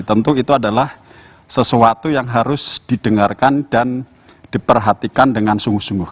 tentu itu adalah sesuatu yang harus didengarkan dan diperhatikan dengan sungguh sungguh